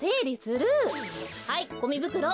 はいゴミぶくろ。